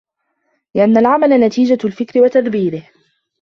لِأَنَّ الْعَمَلَ نَتِيجَةُ الْفِكْرِ وَتَدْبِيرُهُ